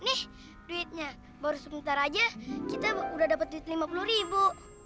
nih duitnya baru sebentar aja kita udah dapat duit lima puluh ribu